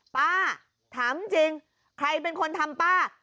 ป้าถามจริงใครเป็นคนทำป้า